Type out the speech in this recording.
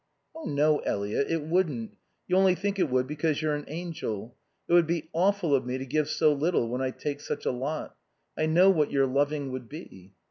"Oh no, Eliot, it wouldn't. You only think it would because you're an angel. It would be awful of me to give so little when I take such a lot. I know what your loving would be."